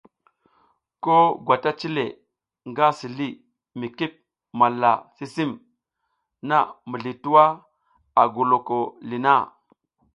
To gwata cile nga si li mi kip malla sisim na mizli twua a goloko li na.